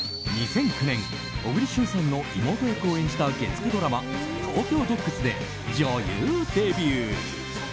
２００９年小栗旬さんの妹役を演じた月９ドラマ「東京ＤＯＧＳ」で女優デビュー。